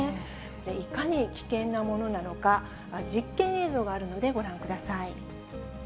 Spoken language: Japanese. いかに危険なものなのか、実験映像があるのでご覧ください。